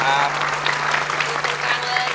สวัสดีครับสวัสดีครับ